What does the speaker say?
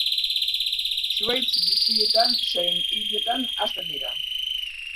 Zuhaitz bizietan zein hiletan hazten dira.